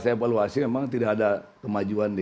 jadi memang setelah saya evaluasi memang tidak ada kemajuan ya